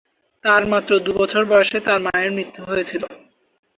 তাঁর মাত্র দুবছর বয়সে তাঁর মায়ের মৃত্যু হয়েছিল।